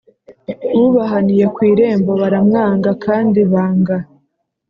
Ubahaniye ku irembo baramwanga kandi banga